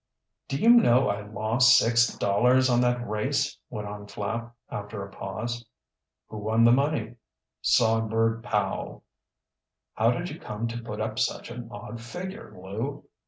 "Do you know I lost six dollars on that race," went on Flapp, after a pause. "Who won the money"? "Songbird Powell." "How did you come to put up such an odd figure, Lew"?